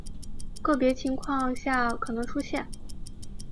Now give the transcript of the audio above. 个别情况下可能出现。